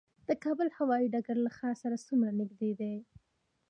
د کابل هوايي ډګر له ښار سره څومره نږدې دی؟